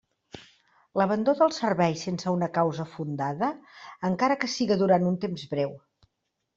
L'abandó del servei sense una causa fundada, encara que siga durant un temps breu.